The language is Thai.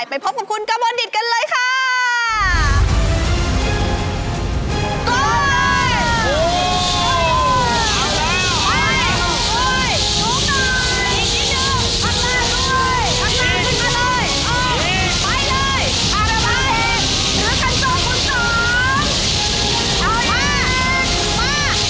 แล้วพูดโชคดีของเรา